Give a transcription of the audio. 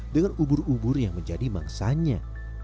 dengan ubur ubur yang menjadi mangsanya